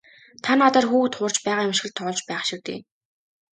Та надаар хүүхэд хуурч байгаа юм шиг л тоглож байх шив дээ.